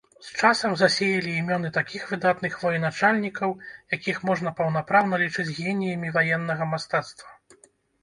З часам засеялі імёны такіх выдатных военачальнікаў, якіх можна паўнапраўна лічыць геніямі ваеннага мастацтва.